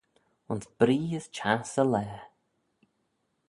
Ayns bree as çhiass y laa.